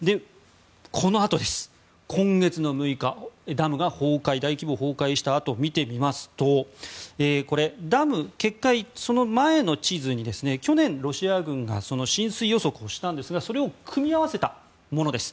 このあと、今月６日ダムが大規模崩壊したあとを見てみますとダム決壊その前の地図に去年、ロシア軍が浸水予測をしたんですがそれを組み合わせたものです。